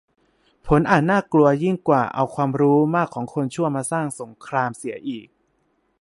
ผลอาจน่ากลัวยิ่งกว่าเอาความรู้มากของคนชั่วมาสร้างสงครามเสียอีก